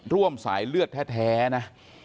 ร่วมสายเลือดแท้นะ